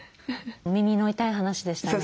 耳の痛い話でしたね。